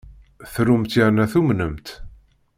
Trumt yerna tumnemt.